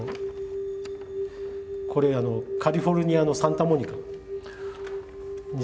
これカリフォルニアのサンタモニカの釣り鐘。